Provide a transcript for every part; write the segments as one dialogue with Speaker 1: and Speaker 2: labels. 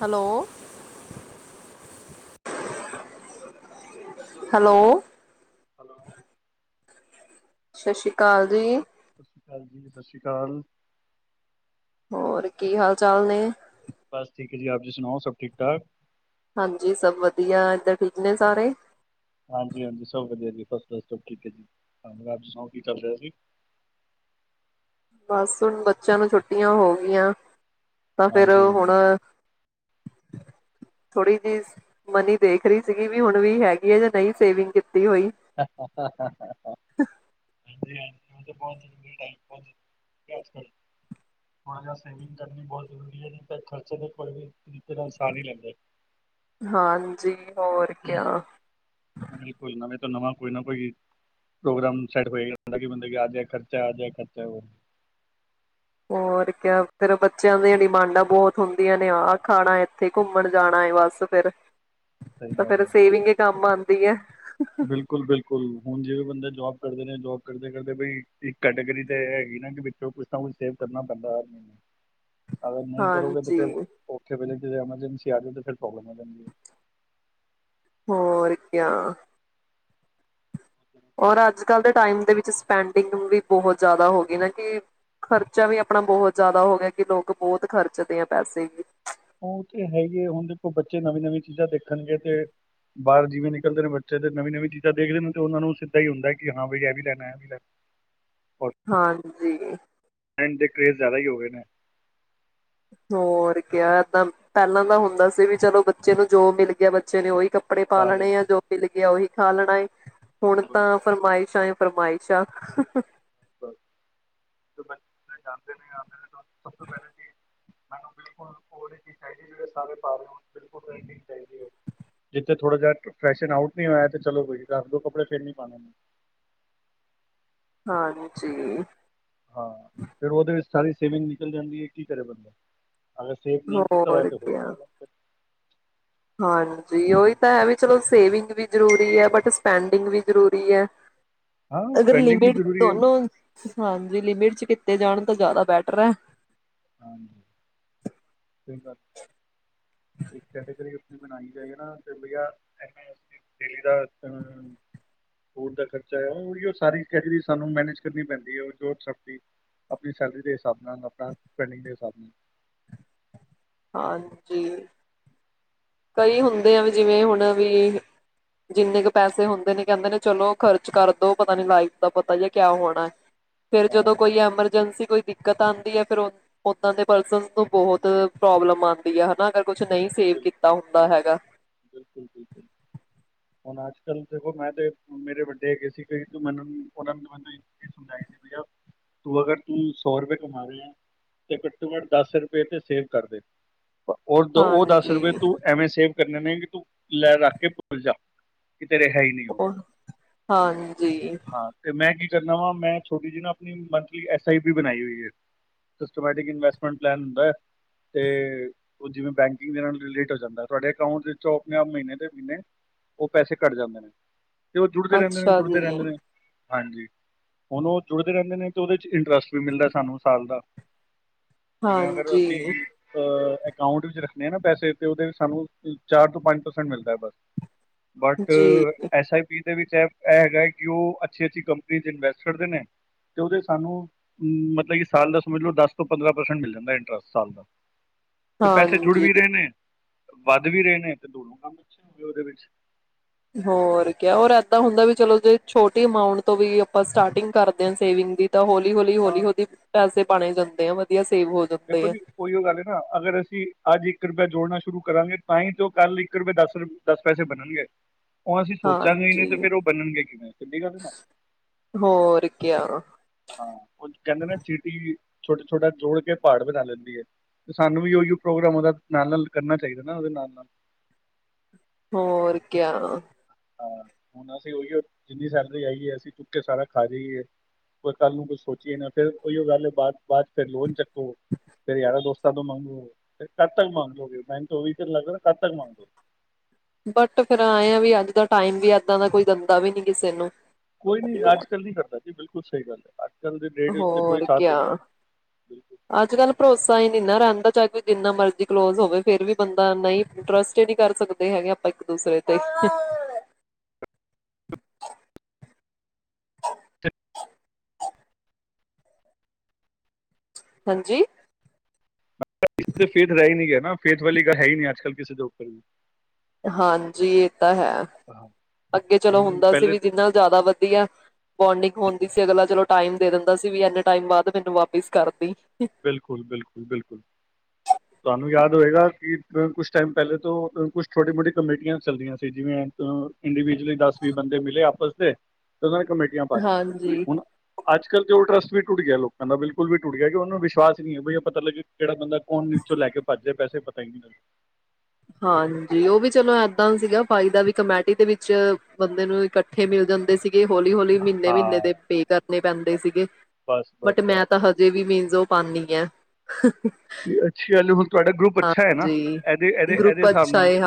Speaker 1: Hello hello
Speaker 2: ਹੈ
Speaker 1: ਸਤਿ ਸ਼੍ਰੀ ਅਕਾਲ ਜੀ
Speaker 2: ਸਤਿ ਸ੍ਰੀ ਅਕਾਲ ਜੀ ਸਤਿ ਸ਼੍ਰੀ ਅਕਾਲ
Speaker 1: ਹੋਰ ਕੀ ਹਾਲ ਚਾਲ ਨੇ
Speaker 2: ਬਸ ਠੀਕ ਹੈ ਜੀ ਆਪ ਜੀ ਸੁਣਾਓ ਸਭ ਠੀਕ ਠਾਕ
Speaker 1: ਹਾਂਜੀ ਸਭ ਵਧੀਆ ਇਏਧਰ ਠੀਕ ਨੇ ਸਾਰੇ
Speaker 2: ਹਾਂਜੀ ਹਾਂਜੀ ਸਭ ਵਧੀਆ ਜੀ ਹਾਂ ਸਣਾ ਕੀ ਚੱਲ ਰਿਹਾ ਸੀ
Speaker 1: ਬਸ ਹੁਣ ਬੱਚਿਆਂ ਨੂੰ ਛੁੱਟੀਆਂ ਹੋ ਗਈਆਂ ਤਾਂ ਫਿਰ
Speaker 2: ਹਾਂਜੀ
Speaker 1: ਹੁਣ
Speaker 2: ਹਾਂਜੀ ਹਾਂਜੀ
Speaker 1: ਥੋੜੀ ਜਿ ਮਨੀ ਦੇਖ ਰਹੀ ਸੀਗੀ ਵੀ ਹੁਣ ਵੀ ਹੈਗੀ ਆ ਜਾਂ ਨਹੀਂ ਸੇਵਿੰਗ ਕੀਤੀ ਹੋਈ
Speaker 2: [unintelligible] ਬਹੁਤੂ ਹਣ ਜਾ ਸਵੀਮਿੰਗ ਕਰਨੀ ਬਹੁਤ ਜ਼ਰੂਰੀ ਹੈ ਜ ਖਰਚੇ ਦੇ ਕੋਈ ਵੀ ਤਰੀਕੇ ਦਾ ਇਨਸਾਨ ਹੀ ਲੈਂਦਾ
Speaker 1: ਹਾਂਜੀ ਹੋਰ ਕਿਆ
Speaker 2: ਬਿਲਕੁਲ ਨਵੇੈਂ ਨਵਾਂ ਕੋਈ ਨਾ ਕੋਈ ਪ੍ਰੋਗਰਾਮ ਸੈਟ ਹੋਏਦਾ ਕਿ ਬੰਦੇ ਆਜ ਖਰਚਾ ਆ ਜਾ ਖਰਚਾ
Speaker 1: ਹੋਰ ਕਿਆ ਫਿਰ ਬੱਚਿਆਂ ਦੀਆਂ ਡਿਮਾਂਡਾਂ ਬਹੁਤ ਹੁੰਦੀਆਂ ਨੇ ਆਹ ਖਾਣਾ ਇੱਥੇ ਘੁੰਮਣ ਜਾਣਾ ਹੈ ਬਸ ਫਿਰ
Speaker 2: ਸਹੀ
Speaker 1: ਤਾਂ
Speaker 2: ਗੱਲ
Speaker 1: ਫਿਰ
Speaker 2: ਹੈ ਸਹੀ
Speaker 1: ਸੇਵਿੰਗ
Speaker 2: ਗੱਲ
Speaker 1: ਹੀ ਕੰਮ ਆਉਂਦੀ ਹੈ
Speaker 2: ਬਿਲਕੁਲ ਬਿਲਕੁਲ ਹੁਣ ਜਿਵੇਂ ਬੰਦਾ ਜੋਬ ਕਰਦੇ ਨੇ ਜੋਬ ਕਰਦੇ ਕਰਦੇ ਬ ਇੱਕ ਕੈਟੇਗਰੀ ਤਾਂ ਹੈਗੀ ਨਾ ਵਿੱਚੋਂ ਕੁਛ ਨਾ ਕੁਛ ਸੇਵ ਕਰਨਾ ਪੈਂਦਾ ਹਰ ਮਹੀਨੇ ਅਗਰ ਨਹੀਂ ਕਰੋਗੇ ਤਾਂ
Speaker 1: ਹਾਂਜੀ
Speaker 2: ਫਿਰ ਔਥੇ ਵਜ ਜ ਐਮਰਜੈਂਸੀ ਆ ਜਾਵੇ ਫਿਰੋਬਲਮ ਆ ਜਾਂਦੀ ਹੈ
Speaker 1: ਹੋਰ ਕਿਆ ਔਰ
Speaker 2: ਹੈ।
Speaker 1: ਅੱਜ ਕੱਲ੍ਹ ਦੇ ਟਾਈਮ ਦੇ ਵਿੱਚ ਪੈਂਡਿੰਗ ਵੀ ਬਹੁਤ ਜ਼ਿਆਦਾ ਹੋ ਗਈ ਨਾ ਕਿ ਖਰਚਾ ਵੀ ਆਪਣਾ ਬਹੁਤ ਜ਼ਿਆਦਾ ਹੋ ਗਿਆ ਕਿ ਲੋਕ ਬਹੁਤ ਖਰਚਦੇ ਆ ਪੈਸੇ ਵੀ
Speaker 2: ਉਹ ਤੇ ਹੈਗੇ ਹੈ ਹੁਣ ਦੇਖੋ ਬੱਚੇ ਨਵੀਂ ਨਵੀਂ ਚੀਜ਼ਾਂ ਦੇਖਣਗੇ ਤੇ ਬਾਹਰ ਜਿਵੇਂ ਨਿਕਲਦੇ ਨੇ ਬੱਚੇ ਤੇ ਨਵੀਂ ਨਵੀਂ ਚੀਜ਼ਾਂ ਦੇਖਦੇ ਨੇ ਤੇ ਉਹਨਾਂ ਨੂੰ ਸਿੱਧਾ ਹੀ ਹੁੰਦਾ ਕਿ ਹਾਂ ਬਈ ਇਹ ਵੀ ਲੈਣਾ ਇਹ ਵੀ ਲੈਣਾ ਔਰ
Speaker 1: [unintelligible] ਹਾਂਜੀ
Speaker 2: [unintelligible] ਕਰੇਜ਼ ਜ਼ਿਆਦਾ ਹੀ ਹੋ ਗਏ ਨੇ
Speaker 1: ਹੋਰ ਕ ਏਦਾਂ ਪਹਿਲਾਂ ਤਾਂ ਹੁੰਦਾ ਸੀ ਵੀ ਚਲੋ ਬੱਚੇ ਨੂੰ ਜੋ ਮਿਲ ਗਿਆ ਬੱਚੇ ਨੇ ਉਹੀ ਕੱਪੜੇ ਪਾ ਲੈਣੇ ਆ ਜੋ ਮਿਲ ਗਿਆ ਉਹੀ [inaudible] ਖਾਲਣਾ ਹੁਣ
Speaker 2: ਬਸ-ਬਸ।
Speaker 1: ਤਾਂ ਫਰਮਾਇਸ਼ ਆਏ ਫਰਮਾਇਸ਼ਾ
Speaker 2: [inaudible] ਬ ਬ ਜਾਂਦੇ ਨੇ ਆਉਂਦੇ ਨੇ [inaudible] ਸਭ ਤੋਂ ਪਹਿਲਾਂ ਜ [inaudible] ਮੈਨ ਬੁ ਸ ਪਾ ਰਹੇ ਜਿੱਥੇ ਥੋੜਾ ਜਾਹਾ ਫੈ ਆਟ ਨ ਹੋਇਆ ਤੇ ਚਲੋ ਰੱਸ ਦੋ ਕੱਪੜੇ ਫਿਰ ਪਾਉਣੇ
Speaker 1: [unintelligible] ਹਾਂਜੀਜੀੀ
Speaker 2: ਹਾਂ ਫਿਰ ਉਹਦੇ ਵਿੱਚ ਸਾਰੀ ਸੇਵਿੰਗ ਨਿਕਲ ਜਾਂਦੀ ਹੈ ਕੀ ਕਰੇ ਬੰਦਾ [inaudible] ਅਗਰ ਸੇਫ ਨਹੀਂ ਕੀਤਾ ਹੋਇ
Speaker 1: ਹੋਰ
Speaker 2: ਹੋ
Speaker 1: ਕਿਆ [inaudible] ਹਾਂਜੀ ਉਹੀ ਤਾਂ ਹੈ ਵੀ ਚਲੋ ਸੇਵਿੰਗ ਵੀ ਜ਼ਰੂਰੀ ਹੈ ਬਟ ਸਪੈਂਡਿੰਗ ਵੀ ਜ਼ਰੂਰੀ ਹੈ
Speaker 2: ਹਾਂ
Speaker 1: [inaudible] ਅਗਰ
Speaker 2: ਸਪੈਂਡਿੰਗ ਵੀ
Speaker 1: ਲਿਮਿਟ
Speaker 2: ਜ਼ਰੂਰੀ ਹੈ
Speaker 1: ਦੋਨੋ ਹਾਂਜੀ ਲਿਮਿਟ ਚ ਤੇ ਜਾਣ ਤਾਂ ਜ਼ਿਆਦਾ ਬੈਟਰ ਹੈ
Speaker 2: [inaudible] ਹ ਕ ਬਣਾ ਜਾ ਦਾ ਦਾ [inaudible] ਸੈਲਿੰਗ ਦੇਿਸਾਬ ਨੂੰ
Speaker 1: ਹਾਂਜੀ ਕਈ ਹੁੰਦੇ ਆ
Speaker 2: ਹਾਂਜੀ
Speaker 1: ਵੀ
Speaker 2: ਸਰ
Speaker 1: ਜਿਵੇਂ ਹੁਣ ਵੀ ਜਿੰਨੇ ਕੁ ਪੈਸੇ ਹੁੰਦੇ ਨੇ ਕਹਿੰਦੇ ਨੇ ਚਲੋ ਖਰਚ ਕਰਦੋ ਫੇਰ ਜਦੋਂ ਕੋਈ
Speaker 2: ਤਾਂ
Speaker 1: ਐਮਰਜੈਂਸੀ ਕੋਈ [unintelligible] ਦਿੱਕਤ ਆਉਂਦੀ ਹੈ ਫਿਰ ਓਦਾਂ ਦੇ ਪਰਸ ਨੂੰ ਬਹੁਤ ਪ੍ਰੋਬਲਮ ਆਉਂਦੀ ਹੈਾ ਕੁਛ ਨਹੀਂ ਸੇਵ
Speaker 2: ਬਿਲ-
Speaker 1: ਕੀਤਾ ਦਾ ਹੈਗਾ
Speaker 2: ਬਿਲਕੁਲ ਬਿਲਕੁਲ [inaudible] ਹੁਣ ਅੱਜ ਕੱਲ੍ਹ ਦੇਖੋ ਮੈਂ ਤੇ ਮੇਰੇ ਵੱਡੇ ਹੈਗੇ ਸੀ ਕਈ ਤੂੰ ਮੈਨੂੰ ਉਹਨਾਂ ਮੈਨੂੰ ਇੱਕ ਚਜ਼ ਸਮਝਾਈ ਸੀ ਭਈਆ ਤੂੰ ਅਗਰ ਤੂੰ ਸੌ ਰੁਪਏ ਕਮਾ ਰਹੇ ਆ ਤੇ ਘੱਟੋ ਘੱਟ ਦਸ ਰੁਪਏ ਤੇ ਸੇਵ ਕਰਦੇ ਉਹ ਦਸ ਰੁਪਏ
Speaker 1: ਹਾਂਜੀ
Speaker 2: ਤੂੰ ਐਵੇਂ ਸੇਵ ਕਰਨ ਨੇ ਕਿ ਤੂੰ ਲੈ ਰੱਖ ਕੇ ਭੱਲ ਜਾ [unintelligible] ਕਿਤੇ ਰਿਹਾ ਹੀ ਨਹੀਂ ਉਹ
Speaker 1: ਹਾਂਜੀ
Speaker 2: ਹਾਂ ਤੇ ਮੈਂ ਕੀ [unintelligible] ਕਰਦਾ ਵਾ ਮੈਂ ਛੋਟੀ ਜਿਹੀ ਨਾ ਆਪਣੀ ਮੰਥਲੀ ਐਸ ਆਈ ਬੀ ਬਣਾਈ ਹੋਈ ਹੈ ਸਿਸਟਮੈਟਿਕ ਇਨਵੈਸਟਮੈਂਟ ਪਲਨ ਹੁੰਦਾ ਹੈ ਤੇ ਉਹ ਜਿਵੇਂ ਬੈਂਕਿੰਗ ਦੇ ਨਾਲ ਰਿਲੇਟ ਹੋ ਜਾਂਦਾ ਤੁਹਾਡੇ ਅਕਾਊਂਟ ਵਿੱਚ ਉਹ ਆਪਣੇ ਆਪ ਮਹੀਨੇ ਦੇ ਮਹੀਨੇ ਉਹ ਪੈਸੇ ਘੱਟ ਜਾਂਦੇੇ ਨੇ ਤੇ ਉਹ ਜੁੜਦੇ ਰਹਿੰਦੇ ਨੇ
Speaker 1: ਅੱਛਾ
Speaker 2: ਜੁੜਦੇ
Speaker 1: ਜੀ
Speaker 2: ਰਹਿੰਦੇ ਨੇ ਹਾਂਜੀ ਹੁਣ ਉਹ ਜੁੜਦੇ ਰਹਿੰਦੇ ਨੇ ਤੇ ਉਹਦੇ ਚ ਇੰਟਰਸਟ ਵੀ ਮਿਲਦਾ ਸਾਨੂੰ ਸਾਲ ਦਾ ਜਿਵੇਂ ਅਗਰ ਅਸੀਂ
Speaker 1: ਹਾਂਜੀ
Speaker 2: ਅਹ ਅਕਾਊਂਟ ਵਿੱਚ ਰੱਖਣੇ ਆ ਨਾ ਪੈਸੇ ਤੇ ਉਹਦੇ ਵਿੱਚ ਸਾਨੂੰ ਚਾਰ ਤੋਂ ਪੰਜ ਪਰਸੈਂਟ ਮਿਲਦਾ ਹੈ ਬਸ ਬਟ
Speaker 1: ਜੀ
Speaker 2: ਐਸ ਆਈ ਪੀ ਵਿੱਚ ਐ ਇਹ ਹੈਗਾ ਹੈ ਕਿ ਉਹ ਅੱਛੀ ਅੱਛੀ ਕੰਪਨੀ ਚ ਇਨਵੈਸਟ ਕਰਦੇ ਨੇ ਤੇ ਉਹਦੇ ਸਾਨੂੰ ਮਤਲਬ ਸਾਲ ਦਾ ਸਮਝ ਲਓ ਦਸ ਤੋਂ ਪੰਦਰਾਂ ਪਰਸੈਂਟ ਮਿਲ ਜਾਂਦਾ ਇੰਟਰਸਟ ਸਾਲ ਦਾ ਤੇ ਪੈਸੇ ਜੁੜ
Speaker 1: ਹਾਂਜੀ
Speaker 2: ਵੀ ਰਹੇ ਨੇ ਵੱਧ ਵੀ ਰਹੇ ਨੇ ਤੇ ਦੋਨੋ ਕੰਮ ਅੱਛੇ ਹੋਏ ਉਹਦੇ ਵਿੱਚ
Speaker 1: ਹੋਰ ਕ ਰ ਏਦਾਂ ਹੁੰਦਾ ਵੀ ਚਲੋ ਜੇ ਛੋਟੀ ਅਮਾਂਊਟ ਤੋਂ ਵੀ ਆਪਾਂ ਸਟਾਰਟਿੰਗ ਕਰਦੇ ਹਾਂ ਸੇਵਿੰਗ ਦੀ ਤਾਂ ਹੌਲੀ ਹੌਲੀ ਹੌਲੀ
Speaker 2: ਤਾਂ
Speaker 1: ਹੌਲੀ ਪੈਸੇ ਬਣ ਹੀ ਜਾਂਦੇ ਆ ਵਧੀਆ ਸੇਵ ਹੋ ਜਾਂਦੇ
Speaker 2: ਦੇਖੋ
Speaker 1: ਆ
Speaker 2: ਜੀ ਉਹੀਓ ਗੱਲ ਹੈ ਨਾ ਅਗਰ ਅਸੀਂ ਅੱਜ ਇੱਕ ਰੁਪਇਆ ਜੋੜਨਾ ਸ਼ੁਰੂ ਕਰਾਂਗੇ ਤਾਂ ਹੀ ਤਾਂ ਕੱਲ ਇੱਕ ਰੁਪਏ ਦਸ ਦਸ ਪੈਸੇ ਬਣਨਗੇ ਉਹ ਅਸੀਂ ਸੋਚਾਂਗੇ ਹੀ ਨੇ ਤੇ
Speaker 1: ਹਾਂਜੀ
Speaker 2: ਫੇਰ ਉਹ ਬਣਨਗੇ ਕਿਵੇਂ ਸਿੱਧੀ ਗੱਲ ਨਾ
Speaker 1: ਹੋਰ ਕਿਆ
Speaker 2: ਹਾਂ ਉਹ ਕਹਿੰਦੇ ਨਾ ਚੀਟੀ ਛੋਟਾ ਛੋਟਾ ਜੋੜ ਕੇ ਪਹਾੜ ਬਣਾ ਲੈਂਦੀ ਹੈ ਤੇ ਸਾਨੂੰ ਵੀ ਉਹੀ ਪ੍ਰੋਗਰਾਮ ਉਹਦਾ ਨਾਲ ਨਾਲ ਕਰਨਾ ਚਾਹੀਦਾ ਨਾ ਉਹਦੇ ਨਾਲ ਨਾਲ
Speaker 1: ਹੋਰ ਕਿਆ
Speaker 2: ਹਾਂ ਹੁਣ ਅਸੀਂ ਉਹੀਓ ਜਿੰਨੀ ਸੈਲਰੀ ਆਈ ਹੈ ਅਸੀਂ ਚੁੱਕ ਕੇ ਸਾਰਾ ਖਾ ਜਾਈਏ ਕੋਈ ਕੱਲ ਨੂੰ ਕੁਛ ਸੋਚੀਏ ਨਾ ਫਿਰ ਉਹੀਓ ਗੱਲ ਬਾਅਦ ਬਾਅਦ ਚ ਫਿਰ ਲੋਨ ਚੱਕ ਫੇਰ ਯਾਰ ਦੋਸਤ ਕਦੋਂ ਮੰਗੋ ਕਦ ਤੱਕ ਮੰਗ ਲਓਗੇ ਮੈਂਨੂੰ ਉਹ ਵੀ ਚ ਲੱਗ ਕਦ ਤੱਕ ਮੰਗਦੋ
Speaker 1: ਬਟ ਫ਼ਿਰ ਐ ਵੀ ਅੱਜ ਦਾ ਟਾਈਮ ਵੀ ਏਦਾ ਦਾ ਕੋਈ ਦਿੰਦਾ ਵੀ ਨੀ ਕਿਸੇ ਨੂੰ
Speaker 2: ਹਾਂਜੀ ਬਿਲਕੁਲ ਸਹੀ ਗੱਲ ਹੈ ਆ
Speaker 1: ਹੋਰ ਕਿਆ
Speaker 2: ਬਿਲਕੁਲ
Speaker 1: ਅੱਜ ਕੱਲ ਭਰੋਸਾ ਹੀ ਨਾ ਰਹਿੰਦਾ ਚ ਕੋਈ ਜਿੰਨਾ ਮਰਜੀ ਕਲੋਜ਼ ਹੋਵੇ ਫਿਰ ਵੀ ਬੰਦਾ ਨਹੀਂ ਟਰਸਟ ਹੀ ਨੀ ਕਰ ਸਕਦੇ ਹੈਗੇ ਆਪਾਂ ਇੱਕ ਦੂਸਰੇ ਤੇ ਹਾਂਜੀ
Speaker 2: ਫੇਥ ਰਹਿ ਹੀ ਨਹੀਂ ਗਿਆ ਨਾ ਫੇਥ ਵਾਲੀ ਗੱਲ ਹੈ ਹੀ ਨਹੀਂ ਆੱਜ ਕੱਲ ਕਿਸੇ ਦੇ ਉੱਪਰ ਵੀ
Speaker 1: ਹਾਂਜੀ ਹੈ
Speaker 2: ਹਾਂ।
Speaker 1: ਅੱਗੇ ਚਲੋ
Speaker 2: ਹੁਣ
Speaker 1: ਹੁੰਦਾ ਸੀ
Speaker 2: ਪਹਿਲੇ
Speaker 1: ਵੀ ਜਿਹਨਾ ਜ਼ਿਆਦਾ ਵਧੀਆ ਬੋਂਡਿੰਗ ਹੁੰਦੀ ਸੀ ਅਗਲਾ ਚਲੋ ਟਾਈਮ ਦੇ ਦਿੰਦਾ ਸੀ ਵੀ ਇੰਨੇ ਟਾਈਮ ਬਾਅਦ ਮੈਨੂੰ ਵਾਪਿਸ ਕਰਦੀ
Speaker 2: ਬਿਲਕੁਲ ਬਿਲਕੁਲ ਬਿਲਕੁਲ ਤੁਹਾਨੂੰ ਯਾਦ ਹੋਏਗਾ ਕਿ ਕੁਛ ਟਾਈਮ ਪਹਿਲੇ ਤੋਂ ਕੁਛ ਛੋਟੀ ਮੋਟੀ ਕਮੇਟੀਆਂ ਚੱਲਦੀਆਂ ਸੀ ਜਿਵੇਂ ਇੰਡੀਵਿਜਲੀ ਦਸ ਵੀਹ ਬੰਦੇ ਮਿਲੇ ਆਪਸ ਤੇ ਉਹਨਾਂ ਨੇ ਕਮੇਟੀਆਂ ਪਾ ਲਈਆਂ
Speaker 1: ਹਾਂਜੀ।
Speaker 2: ਹੁਣ ਅੱਜ ਕੱਲ ਤੇ ਉਹ ਟਰਸੱਟ ਵੀ ਟੁੱਟ ਗਿਆ ਲੋਕਾਂ ਦਾ ਬਿਲਕੁਲ ਵੀ ਟੁਟ ਗਿਆ ਕਿ ਉਹਨ ਵਿਸ਼ਵਾਸ ਨਹੀਹੈ ਪਤਾ ਲੱਗੇ ਕਿਹੜਾ ਬੰਦਾ ਉਹਨ ਚੋਂ ਲੈ ਕੇ ਭੱਜ [unintelligible] ਪੈਸੇ ਪਤਾ ਨੀ ਲਗਾ
Speaker 1: ਹਾਂਜੀ ਉਹ ਵੀ ਚਲੋ ਏਦਾਂ ਸੀਗਾ ਫਾਈ ਦਾ ਵੀ ਕਮੇਟੀ ਦੇ ਵਿੱਚ ਬੰਦੇ ਨੂੰ ਇਕੱਠੇ ਮਿਲ ਜਾਂਦੇ ਸੀ ਹੌਲੀ ਹੌਲੀ ਮਹੀਨੇ ਮਹੀਨੇ
Speaker 2: ਹਾਂ
Speaker 1: ਦੇ ਪੇ ਕਰਨੇ ਪੈਂਦੇ ਸੀਗੇ
Speaker 2: ਬਸ ਬਸ
Speaker 1: ਬਟ
Speaker 2: ਬਸ
Speaker 1: ਮੈਂ ਤਾਂ ਹਜੇ ਵੀ ਮ ਜੋ ਪਾਨੀ ਹੈ
Speaker 2: ਜੇ ਅਤੇ [inaudible] ਤੁਹਾਡਾ ਗਰੁੱਪ ਅੱਛਾ ਹੈ ਨਾ
Speaker 1: ਹਾਂਜੀ।
Speaker 2: ਇਹਦੇ ਇਹਦੇ ਇਹਦੇ
Speaker 1: ਗਰੁੱਪ
Speaker 2: ਹਿਸਾਬ
Speaker 1: ਅੱਛਾ
Speaker 2: ਨਾਲ
Speaker 1: ਏ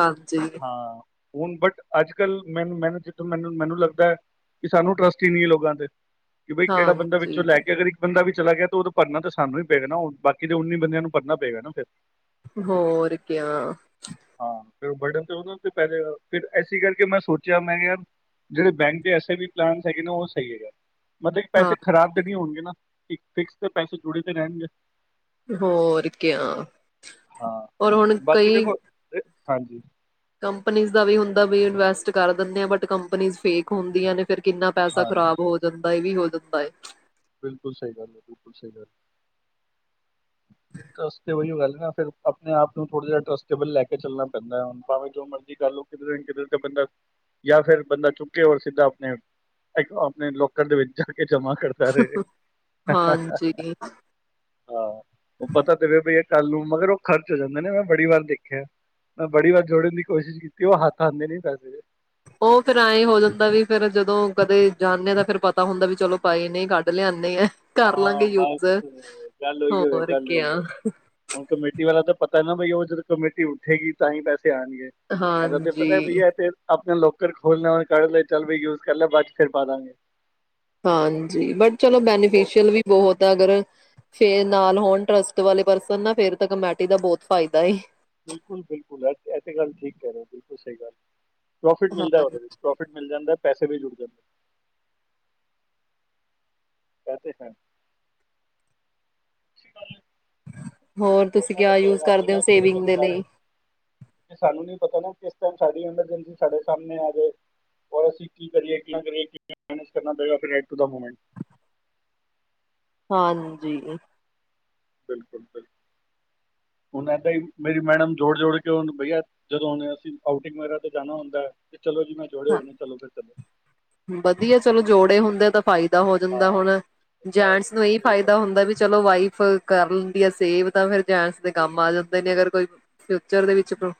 Speaker 2: ਹਾਂ ਹੁਣ ਬਟ ਅੱਜ ਕੱਲ ਮੈਨ ਮੈਨ ਜਿੱਥੋਂ ਮੈਨੂੰ ਮੈਨੂੰ ਲੱਗਦਾ ਹੈ ਕੀ ਸਾਨੂੰ ਟਰੱਸਟ ਹੀ ਨਹੀਂ ਹੈ ਲੋਕਾਂ ਤੇ ਕਿ ਬਈ ਕਿਹੜਾ ਬੰਦਾ ਵਿੱਚੋਂ ਲੈ
Speaker 1: ਹਾਂਜੀ-ਹਾਂਜੀ।
Speaker 2: ਕੇ ਅਗਰ ਇੱਕ ਬੰਦਾ ਵੀ ਚਲਾ ਗਿਆ ਤੇ ਉਹਦੋਂ ਭਰਨਾ ਤਾਂ ਸਾਨੂੰ ਹੀ ਪੈ ਗਿਆ ਨਾ ਬਾਕੀ ਦੇ ਉੱਨੀ ਬੰਦਿਆਂ ਨੂੰ ਪੜ੍ਹਨਾ ਪਏਗਾ ਨਾ ਫਿਰ
Speaker 1: ਹੋਰ ਕਿਆ
Speaker 2: ਫ ਬਟਨ ਤੇ ਉਹ ਤੇ ਪੈ ਫਿਰ ਇਸੇ ਕਰਕੇ ਮੈਂ ਸੋਚਿਆ ਮੈਂ ਕਿਹਾ ਯਾਰ ਜਿਹੜੇ ਬੈਂਕ ਦੇ ਐਸੇ ਆਈ ਬੀ ਪਲਾਨ ਹੈਗੇ ਨੇ ਉਹ ਸਹੀ ਹੈਗਾ ਮਤਲਬ ਕਿ
Speaker 1: ਹਾਂ
Speaker 2: ਪੈਸੇ ਖਰਾਬ ਤੇ ਨੀ ਹੋਣਗੇ ਨਾ ਇਕ ਫਿਕਸ ਤੇ ਪੈਸੇ ਜੁੜੇ ਤੇ ਰਹਿਣਗੇ
Speaker 1: ਹੋਰ ਕਿਆ
Speaker 2: ਹਾਂ
Speaker 1: ਓਰ ਹੂਣ
Speaker 2: ਬਾਕੀ
Speaker 1: ਕਈ
Speaker 2: ਦੇਖੋ ਇਹ- ਹਾਂਜੀ
Speaker 1: ਕੰਪਨੀਜ਼ ਦਾ ਵੀ ਹੁੰਦਾ ਵੀ ਇਨਵੈਸਟ ਕਰ ਦਿੰਦੇ ਆ ਬਟ ਕੰਪਨੀਜ਼ ਫੇਕ ਹੁੰਦੀਆਂ ਨੇ ਫਿਰ ਕਿੰਨਾ ਪੈਸਾ
Speaker 2: ਹਾਂਜੀ
Speaker 1: ਖਰਾਬ
Speaker 2: ਹਾਂਜੀ,
Speaker 1: ਹੋ ਜਾਂਦਾ ਇਹ ਵੀ ਹੋ [unintelligible]
Speaker 2: ਬਿਲਕੁਲ ਸਹੀ ਗੱਲ ਹੈ ਬਿਲਕੁਲ ਸਹੀ ਗੱਲ ਹੈ ਤਾਂੱਸ ਤੇ ਵਹੀਓ ਗੱਲ ਨਾ ਫਿਰ ਆਪਣੇ ਆਪ ਨੂੰ ਥੋੜ੍ਹਾ ਜਿਹਾ ਟਰੱਸਟੇਬਲ ਲੈ ਕੇ ਚੱਲਣਾ ਪੈਂਦਾ ਹੈ ਹੁਣ ਭਾਵੇਂ ਜੋ ਮਰਜੀੀ ਕਰ ਲਵੋ ਕਿਧਰ ਨਾ ਕਿਧਰ ਤੇ ਬੰਦਾ ਜਾਂ ਫਿਰ ਬੰਦਾ ਚੁੱਕੇ ਹੋਰ ਸਿੱਧਾ ਆਪਣੇ ਆਪਣੇ ਲੋਕਰ ਦੇ ਵਿੱਚ ਜਾ ਕੇ ਜਮਾਂ ਹਾਂ
Speaker 1: ਹਾਂਜੀ
Speaker 2: ਉਹ ਪਤਾ ਤੇ ਭ ਚੱਲ ਨੂੰ ਮਗਰ ਉਹ ਖਰਚ ਹੋ ਜਾਂਦੇ ਨੇ ਮੈਂ ਬੜੀ ਵਾਰ ਦੇਖਿਆ ਮੈਂ ਬੜੀ ਵਾਰ ਜੋੜਨ ਦੀ ਕੋਸ਼ਿਸ਼ ਕੀਤੀ ਉਹ ਹੱਥ ਆਂਦੇ ਨੀ ਪੈਸੇ ਦ
Speaker 1: ਉਹ ਫੇਿਰ ਐਂ ਹੋ ਜਾਂਦਾ ਵੀ ਫੇਰ ਜਦੋਂ ਕਦੇ ਜਾਂਦੇ ਆ ਤਾਂ ਫਿਰ ਪਤਾ ਹੁੰਦਾ ਵੀ ਚਲੋ ਪਏ ਨੇ ਕੱਢ ਲਿਆਦੇ ਆ ਕਰ ਲਾਂਗੇ
Speaker 2: ਹਾਂ
Speaker 1: ਯੂਜ
Speaker 2: ਬਸ ਗੱਲ ਉਹੀ ਹੋਏ
Speaker 1: ਹੋਰ
Speaker 2: ਗੱਲ ਹੀ
Speaker 1: ਕਿਆ
Speaker 2: ਹੋਏ ਹੁਣ ਕਮੇਟੀ ਵਾਲਾ ਤਾਂ ਪਤਾ ਨਾ ਵੇ ਉਹ ਜਦੋਂ ਕਮੇਟੀ ਉੱਠੇਗੀ ਤਾਂ ਹੀ ਪੈਸੇ ਹਾਂਜੀ ਹਾਂਜੀ ਐ ਤਾਂ ਤੇ ਪਤਾ ਹੈ ਬਈ
Speaker 1: ਹਾਂਜੀ
Speaker 2: ਇਥੇ ਆਪਣਾ ਲੋਕਰ ਖੋਲਣਾ ਕੱ ਲੈ ਚੱਲ ਵੀ ਯੂਜ ਕਰ ਲੈ ਚਲ ਭਈ ਬਾਅਦ ਚ ਫਿਰ ਪਾ ਦਾਂਗੇ
Speaker 1: ਹਾਂਜੀ ਬਟ ਚਲੋ
Speaker 2: ਉਹ
Speaker 1: ਬੈਨੀਫਿਸ਼ਅਲ ਵੀ ਬਹੁਤ ਆ ਅਗਰ ਫੇ ਨਾਲ ਹੋਣ ਟਰਸਟ ਵਾਲੇ ਪਰਸਨ ਨਾ ਫਿਰ ਤਾਂ ਕਮੇਟੀ ਦਾ ਬਹੁਤ ਫਾਇਦਾ ਹੈ
Speaker 2: ਬਿਲਕੁਲ ਬਿਲਕੁਲ ਇਹ ਤਾਂ ਗੱਲ ਠੀਕ ਕਹਿ ਰਹੇ ਹੋ ਬਿਲਕੁਲ ਸਹੀ ਗੱਲ ਪ੍ਰੋਫਿਟ
Speaker 1: ਹਾਂ
Speaker 2: ਮਿਲਦਾ ਉਹਦੇ ਵਿੱਚ ਪ੍ਰੋਫਿਟ ਮਿਲ ਜਾਂਦਾ ਪੈਸਾ ਏਥੇ ਵੀ ਜੁੜ ਜਾਂਦੇ ਇਹ ਤੇ ਹੈ
Speaker 1: ਹੋਰ ਤੁਸੀਂ
Speaker 2: ਦੋਨਾਂ ਦਾ
Speaker 1: ਕਿਆ
Speaker 2: ਪਿਆਰ
Speaker 1: ਯੂਜ
Speaker 2: ਆ
Speaker 1: ਕਰਦੇ ਹੋ
Speaker 2: ਬਿਨਾਂ ਜੋੜੇ ਤੋਂ
Speaker 1: ਸੇਵਿੰਗ ਦੇ
Speaker 2: ਗੁਜ਼ਾਰਾ ਹੀ
Speaker 1: ਲਈ
Speaker 2: ਨਹੀਂ। ਕਿਉਂਕਿ ਸਾਨੂੰ ਨਹੀਂ ਪਤਾ ਨਾ ਕਿਸ ਸਾਡੀ ਐਮਰਜਸੀ ਸਾਡੇ ਸਾਹਮਣੇ ਆ ਜਾਏ ਓਰ ਅਸੀਂ ਕੀ ਕਰੀਏ ਕਿ ਕਰਏ ਮੈਨੇਜ ਕਰਨਾ ਪਵੇਗਾ ਫਿਰ ਅੰਨ ਦੀ ਮੂਮੈਂਟ
Speaker 1: ਹਾਂਜੀ
Speaker 2: ਬਿਲਕੁਲ ਬਿਲਕੁਲ ਹੁਣ ਇਏਦਾਂ ਹੀ ਮੇਰੀ ਮੈਡਮ ਜੋੜ ਜੋੜ ਕੇ ਹ ਬਈਆ ਜਦੋਂ ਹੁਣ ਅਸੀਂ ਆਊਟਿੰਗ ਵਗੈਰਾ ਤੇ ਜਾਣਾ ਹੁੰਦਾ ਚਲੋ ਜੀ ਮੈਂ ਜੋੜੇ ਹੋਏ ਨੇ ਚਲੋ ਫਿਰ ਚੱਲੋ
Speaker 1: ਵਧੀਆ ਚਲੋ ਜੋੜੇ ਹੁੰਦੇ ਤਾਂ ਫਾਇਦਾ ਹੋ ਜਾਂਦਾ
Speaker 2: ਹਾਂ
Speaker 1: ਹੁਣ
Speaker 2: ਬਸ
Speaker 1: ਜੈਂਟਸ ਨੂੰ ਇਹੀ
Speaker 2: ਸਹੀ ਗੱਲ
Speaker 1: ਫਾਇਦਾ ਹੁੰਦਾ ਵੀ ਚਲੋ ਵਾਈਫ ਕਰ ਲੈਂਦੀ ਆ ਸੇਵ ਤਾਂ ਫੇਰ ਜੈਂਟਸ ਦੇ ਕੰਮ ਆ
Speaker 2: ਬਿਲਕੁਲ
Speaker 1: ਜਾਂਦੇ ਨੇ ਅਗਰ ਕੋਈ ਫਿਊਚਰ ਦੇ ਵਿੱਚ ਪਰੋ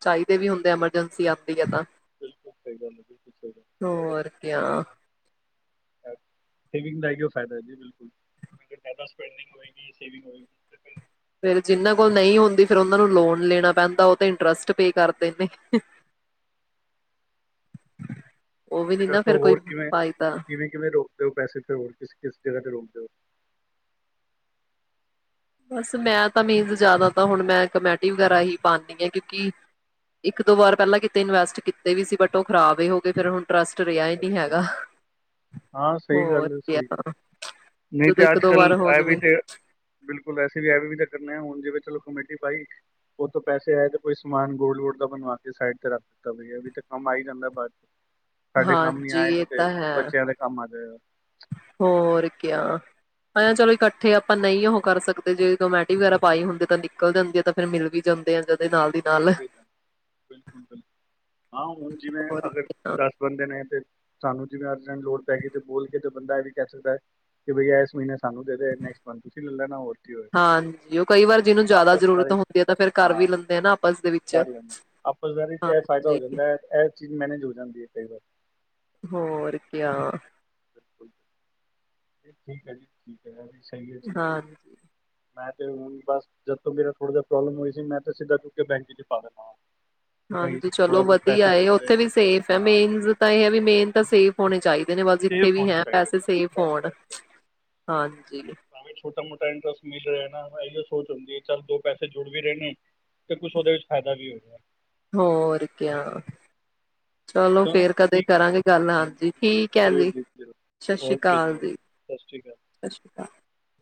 Speaker 1: ਚਾਹੀਦੇ ਵੀ ਹੁੰਦੇ ਐਮਰਜੈਂਸੀ ਆਉਂਦੀ ਹੈ ਤਾਂ
Speaker 2: ਬਿਲਕੁਲ ਸਹੀ ਗੱਲ ਹੈ, ਬਿਲਕੁਲ ਸਹੀ
Speaker 1: ਹੋਰ ਕਿਆ
Speaker 2: ਸੇਵਿੰਗ ਦਾ ਏਹੀ ਉਹ ਫਾਇਦਾ ਜੀ ਬਿਲਕੁਲ ਜਿਆਦਾ ਸਪਡਿੰਗ ਹੋਏਗੀ ਸੇਵਿੰਗ ਹੋਏਗੀ
Speaker 1: ਫੇਰ ਜਿਹਨਾਂ ਕੋਲ ਨਹੀਂ
Speaker 2: ਫਿਰ
Speaker 1: ਹੁੰਦੀ ਫੇਰ ਉਹਨਾਂ ਨੂੰ ਲੋਨ ਲੈਣਾ ਪੈਂਦਾ ਤਾਂ ਉਹ ਤੇ ਇੰਟਰਸਟ ਪੇ ਕਰਦੇ ਨੇ ਹੰ ਹ
Speaker 2: ਤੁਸੀਂ ਦੱਸੋ ਹੋਰ ਕਿਵੇਂ ਕਿਵੇਂ ਕਿਵੇਂ ਰੋਕਦੇ ਹੋ ਪੈਸੇ ਤੇ ਹੋਰ ਕਿਸ ਕਿਸ ਜਗ੍ਹਾ ਤੇ ਰੋਕਦੇ ਹੋ
Speaker 1: ਬਸ ਮੈਂ ਤਾਂ ਮੀਨਸ ਜਿਆਦਾ ਤਾ ਹੁਣ ਮੈਂ ਕਮੇਟੀ ਵਗੈਰਾ ਹੀ ਪਾਦੀ ਆ ਕਿਉਂਕਿ ਇੱਕ ਦੋ ਵਾਰ ਪਹਿਲਾਂ ਕਿਤੇ ਇਨਵੈਸਟ ਕੀਤੇ ਵੀ ਸੀ ਬਟ ਉਹ ਖਰਾਬ ਹੀ ਹੋ ਗਏ ਫਿਰ ਹੁਣ ਟ੍ਰਸਟ ਰਿਹਾ ਹੀ ਨਹੀਂ
Speaker 2: ਅੱਛਾ
Speaker 1: ਹੈਗਾ
Speaker 2: ਹਾਂ ਸਹੀ
Speaker 1: ਹੋਰ
Speaker 2: ਗੱਲ ਹੈ ਸਹੀ
Speaker 1: ਕਿਆ
Speaker 2: ਗੱਲ ਨਹੀਂ
Speaker 1: ਜਦੋਂ
Speaker 2: ਤੇ
Speaker 1: ਇੱਕ
Speaker 2: ਅੱਜ
Speaker 1: ਦੋ ਵਾਰ ਹੋ
Speaker 2: ਕੱਲ੍ਹ ਐ ਵੀ
Speaker 1: ਜਾਵੇ
Speaker 2: ਤੇ ਬਿਲਕੁਲ ਐਸੀੇ ਵੀ ਐਵੇਂ ਵੀ ਤਾਂ ਕਰਨੇਂ ਆ ਹੁਣ ਜਿਵੇਂ ਚਲੋ ਕਮੇਟੀ ਪਾਈ ਉਥੋਂ ਪੈਸੇ ਆਏ ਤੇ ਕੋਈ ਸਮਾਨ ਗੋਲੋਡ ਵੋਲਡ ਦਾ ਬਣਵਾ ਕੇ ਸਾਈਡ ਤੇ ਰੱਖ ਦਿੱਤਾ ਵੀ ਐ ਵੀ ਤੇ ਕੰਮ ਆਈ ਜਾਂਦਾ ਬਾਅਦ ਚ
Speaker 1: ਹਾਂਜੀ ਇਹ ਤਾਂ ਹੈ
Speaker 2: ਮਧ
Speaker 1: ਹੋਰ ਕਿਆ ਐ ਚਲੋ ਇਕੱਠੇ ਆਪ ਆਪਾਂ ਨਹੀਂ ਉਹ ਕਰ ਸਕਦੇ ਜੇ ਕਮੈਟੀ ਵਗੈਰਾ ਪਾਏ ਹੁੰਦੇ ਤਾਂ ਨਿਕਲ ਜਾਂਦੀ ਆ ਤਾਂ ਫੇਰ ਮਿਲ ਵੀ ਜਾਂਦੇ ਆ ਜਦ
Speaker 2: ਮਿਲ ਬਿਲਕੁਲ ਬਿਲਕੁਲ ਹਾਂ ਹੁਣ ਜਿਵੇਂ
Speaker 1: ਹੋਰ
Speaker 2: ਅਗਰ
Speaker 1: ਕਿਆ
Speaker 2: ਦਸ ਬੰਦੇ ਨੇ ਤੇ ਸਾਨੂੰ ਜਿਵੇਂ ਅੱਜ ਦੇ ਟਾਈਮ ਲੋੜ ਪੈ ਗਈ ਤੇ ਬੋਲ ਕੇ ਤਾਂ ਬੰਦਾ ਇਹ ਵੀ ਕਹਿ ਸਕਦਾ ਕਿ ਬਈ ਇਸ ਮਹੀਨੇ ਸਾਨੂੰ ਦੇ ਦੇ ਨੈਕਸਟ ਮੰਥ ਤੁਸੀਂ ਲੈ ਲੈਣਾ ਹੋਰ ਕੀ ਹੋਏਗਾ
Speaker 1: ਹਾਂਜੀ ਉਹ ਕਈ ਵਾਰ ਜਿਹਨੂੰ
Speaker 2: ਹੁਣ
Speaker 1: ਜ਼ਿਆਦਾ
Speaker 2: ਆਪਸ
Speaker 1: ਜ਼ਰੂਰਤ
Speaker 2: ਸਾਰੇ
Speaker 1: ਹੁੰਦੀ ਹੈ ਤਾਂ ਫੇਰ ਕਰ
Speaker 2: ਹਾਂ
Speaker 1: ਵੀ ਲੈਂਦੇ ਆ ਨਾ ਆਪਸ ਦੇ ਵਿੱਚ
Speaker 2: ਕਰ ਲੈਂਦਾ ਆਪਸ ਦੇ ਵਿਚ ਇਹ ਫਾਇਦਾ ਹੋ
Speaker 1: ਹਾਂਜੀ
Speaker 2: ਜਾਂਦਾ ਇਹ ਚੀਜ਼ ਮੈਨੇਜ ਹੋ ਜਾਂਦੀ ਹੈ ਕਈ ਵਾਰ
Speaker 1: ਹੋਰ ਕਿਆ
Speaker 2: ਬਿਲਕੁਲ ਇਹ ਠੀਕ ਹੈ ਜੀ ਠੀਕ ਹੈ ਮ ਥੈਂਕ ਯੂ ਜੀ
Speaker 1: ਹਾਂਜੀ
Speaker 2: ਮੈਂ ਤੇ ਹੁਣ ਬਸ ਜਦ ਤੋਂ ਮੇਰਾ ਥੋੜਾ ਜਿਹਾ ਪ੍ਰੋਬਲਮ ਹੋਈ ਸੀ ਮੈਂ ਤੇ ਸਿੱਧਾ ਚੁੱਕ ਕੇ ਬੈਂਕ ਚ ਪਾ ਦੇਨਾ ਵਾਂ
Speaker 1: ਹਾਂਜੀ ਚਲੋ ਵਧੀਆ ਹੈ ਉੱਥੇ ਵੀ ਸੇਫ ਹੈ
Speaker 2: ਹਾਂ
Speaker 1: ਮੇਨਸ ਤਾਂ ਇਹ ਹੈ ਵੀ ਮੇਨ ਤਾਂ ਸੇਫ ਹੋਣੇ ਚਾਹੀਦੇ ਬਸ
Speaker 2: ਸੇਫ
Speaker 1: ਜਿੱਥੇ ਵੀ
Speaker 2: ਹੋਣੇ
Speaker 1: ਹੈ
Speaker 2: ਚਾਹੀਦੇ
Speaker 1: ਪੈਸੇ ਸੇਫ ਹੋਣ ਹਾਂ
Speaker 2: ਹਾਂ ਕੋਈ ਛੋਟਾ ਮੋਟਾ ਇੰਟਰਸਟ ਮਿਲ ਰਿਹਾ ਨਾ ਇਹੀ ਸੋਚ ਹੁੰਦੀ ਹੈ ਚੱਲ ਦੋ ਪੈਸੇ ਜੁੜ ਵੀ ਰਹੇ ਨੇ ਅਤੇ ਕੁਛ ਉਹਦੇ ਵਿੱਚ ਫਾਇਦਾ ਵੀ ਹੋ ਰਿਹਾ
Speaker 1: ਹੋਰ ਕਿਆ। ਚਲੋ ਫੇਰ ਕਦੇ
Speaker 2: ਠੀਕ ਹੈ
Speaker 1: ਕਰਾਂਗੇ ਗੱਲ ਹਾਂਜੀ ਠੀਕ ਹੈ।
Speaker 2: ਜ਼ਰੂਰ
Speaker 1: ਜੀ
Speaker 2: ਜ਼ਰੂਰ
Speaker 1: ਸਤਿ ਸ਼੍ਰੀ
Speaker 2: ਓਕੇ
Speaker 1: ਅਕਾਲ ਜੀ,
Speaker 2: ਓਕੇ ਸ਼੍ਰੀ ਅਕਾਲ
Speaker 1: ਸਤਿ ਸ਼੍ਰੀ ਅਕਾਲ।